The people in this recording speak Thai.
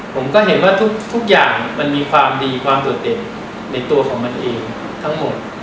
ผมก็เห็นว่าทุกอย่างมันมีความดีความโดดเด่นในตัวของมันเองทั้งหมด